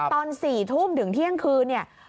ตอน๔ทุ่มถึงเที่ยงคืนเนี่ย